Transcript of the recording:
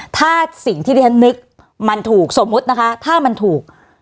ถ้าสิ่งท่านแนกมันถูกสมมตินะครับถ้ามันถูก